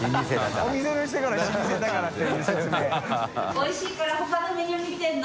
おいしいから他のメニュー見てるの？